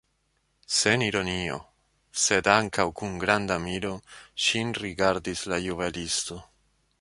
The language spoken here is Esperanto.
Sen ironio, sed ankaŭ kun granda miro ŝin rigardis la juvelisto.